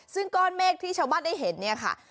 ซึ่งก้อนเมฆที่ชาวบ้านได้เห็นเนี่ยค่ะ